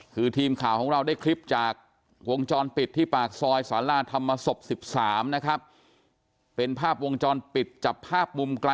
คือทีมข่าวของเราได้คลิปจาก